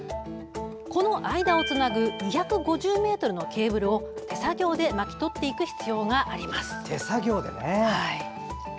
この間をつなぐ２５０ｍのケーブルを手作業で巻き取っていく必要があります。